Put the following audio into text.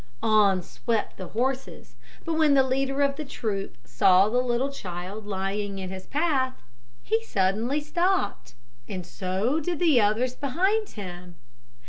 On swept the horses; but when the leader of the troop saw the little child lying in his path, he suddenly stopped, and so did the others behind him.